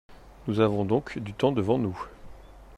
Nous avons donc du temps devant nous.